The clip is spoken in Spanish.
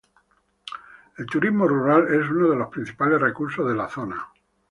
El turismo rural es uno de los principales recursos de la zona.